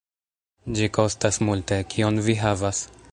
Ĝi kostas multe. Kion vi havas?"